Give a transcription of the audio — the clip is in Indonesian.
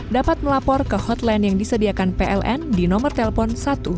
dapat melapor ke hotline yang disediakan pln di nomor telepon satu ratus dua puluh